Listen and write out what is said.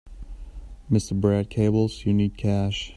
Mr. Brad cables you need cash.